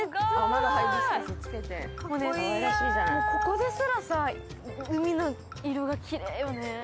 ここですらさ海の色がキレイよね。